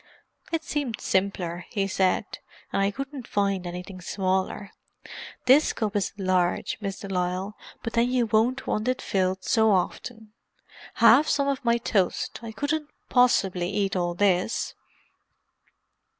"It seemed simpler," he said. "And I couldn't find anything smaller. This cup is large, Miss de Lisle, but then you won't want it filled so often. Have some of my toast—I couldn't possibly eat all this."